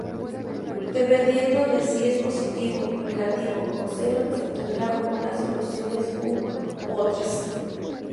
Dependiendo de si es positivo, negativo o cero se obtendrán unas soluciones u otras.